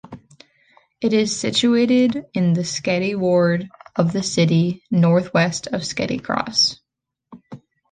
It is situated in the Sketty ward of the city, north-west of Sketty Cross.